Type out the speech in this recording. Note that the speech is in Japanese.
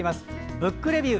「ブックレビュー」。